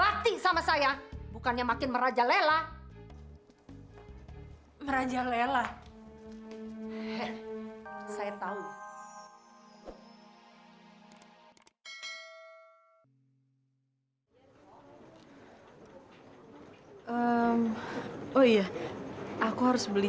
aku mau nelfon ke rumah dulu